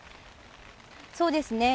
そうですね。